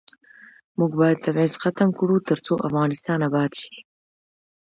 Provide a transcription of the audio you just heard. موږ باید تبعیض ختم کړو ، ترڅو افغانستان اباد شي.